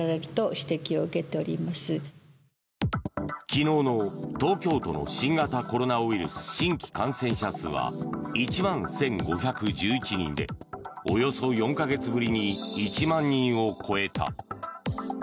昨日の東京都の新型コロナウイルス新規感染者数は１万１５１１人でおよそ４か月ぶりに１万人を超えた。